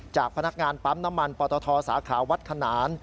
จากพนักงานปั๊มน้ำมันปตทสาขาวัดขนาน